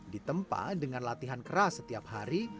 ditempa dengan latihan keras setiap hari